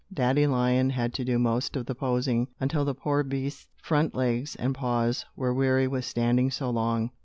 Daddy lion had to do most of the posing, until the poor beast's front legs and paws were weary with standing so long.